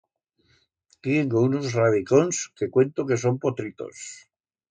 Tiengo uns radicons que cuento que son potritos.